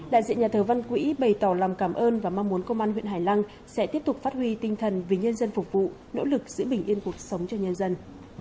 đại diện nhà thờ văn quỹ bày tỏ lòng cảm ơn và mong muốn công an huyện hải lăng sẽ tiếp tục phát huy tinh thần vì nhân dân phục vụ nỗ lực giữ bình yên cuộc sống cho nhân dân